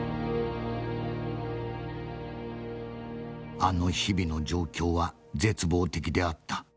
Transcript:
「あの日々の状況は絶望的であった。